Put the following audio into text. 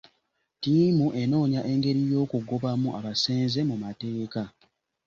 Ttiimu enoonya engeri y'okugobamu abasenze mu mateeka .